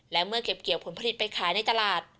และเมื่อเก็บเกี่ยวผลผลิตไปขายในตลาด